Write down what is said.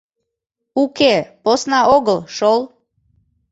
— Уке, посна огыл шол...